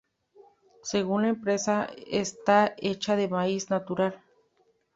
Según la empresa, está hecha de maíz natural.